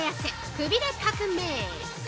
くびれ革命」